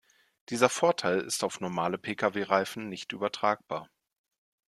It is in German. Dieser Vorteil ist auf normale Pkw-Reifen nicht übertragbar.